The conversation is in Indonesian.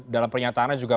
dalam pernyataannya juga